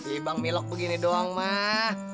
ibang milok begini doang mah